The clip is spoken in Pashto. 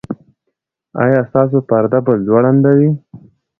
ایا ستاسو پرده به ځوړنده وي؟